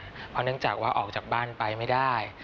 เพราะเนื่องจากว่าออกจากบ้านไปไม่ได้